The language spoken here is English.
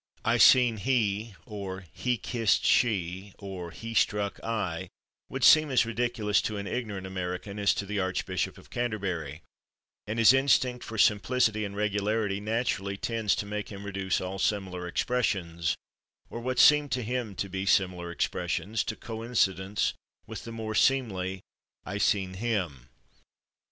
"I seen /he/" or "he kissed /she/" or "he struck /I/" would seem as ridiculous to an ignorant American as to the Archbishop of Canterbury, and his instinct for simplicity and regularity naturally tends to make him reduce all similar expressions, or what seem to him to be similar expressions, to coincidence with the more seemly "I seen /him